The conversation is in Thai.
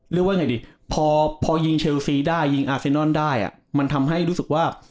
เรียกว่าไงดีพอยิงเชลซีได้ยิงอาเซนอนได้มันทำให้รู้สึกว่า